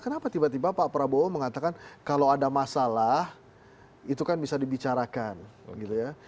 kenapa tiba tiba pak prabowo mengatakan kalau ada masalah itu kan bisa dibicarakan gitu ya